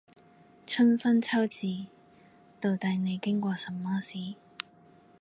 春分秋至，到底你經過什麼事